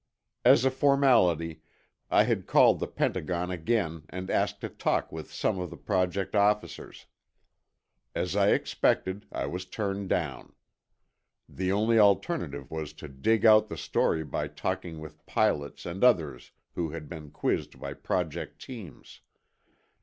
As a formality, I had called the Pentagon again and asked to talk with some of the Project officers. As I expected, I was turned down. The only alternative was to dig out the story by talking with pilots and others who had been. quizzed by Project teams.